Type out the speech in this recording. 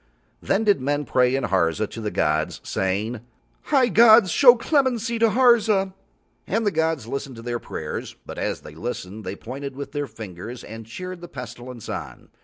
Then did men pray in Harza to the gods, saying: "High gods! Show clemency to Harza." And the gods listened to their prayers, but as They listened They pointed with their fingers and cheered the Pestilence on.